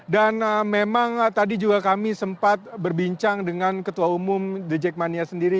dan memang tadi juga kami sempat berbincang dengan ketua umum the jackmania sendiri